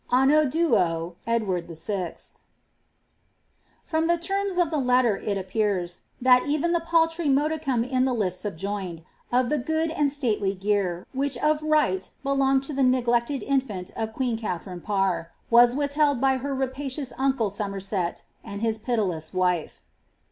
Anno 2 Ed. YL" From the terms of the letter it appears, that even the paltry modieniB in the list subjoined, of the ^^good and stately gear'' which of right belonged to the neglected in&nt of queen Katharine Parr was withheld by her rapacious uncle Somerset and his pitiless wife.